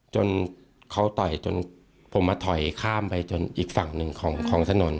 จนเขาต่อยจนผมมาถอยข้ามไปจนอีกฝั่งหนึ่งของถนน